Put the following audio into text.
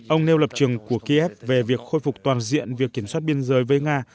ông nêu lập trường của kiev về việc khôi phục toàn diện việc kiểm soát biên giới với nga